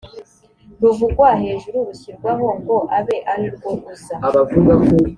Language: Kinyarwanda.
ruvugwa hejuru rushyirwaho ngo abe ari rwo uza